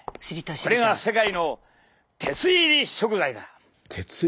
これが世界の鉄入り食材だ！